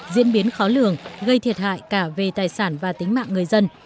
diễn biến khó lường gây thiệt hại cả về tài sản và tính mạng người dân